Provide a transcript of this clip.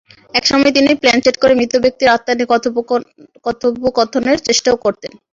একসময় তিনি প্লানচেট করে মৃত ব্যক্তির আত্মা এনে কথোপকথনের চেষ্টাও করতেন।